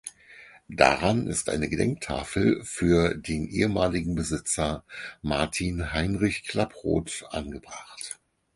Daran ist eine Gedenktafel für den ehemaligen Besitzer Martin Heinrich Klaproth angebracht.